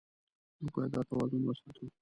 موږ باید دا توازن وساتو.